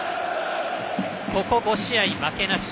ここ５試合負けなし。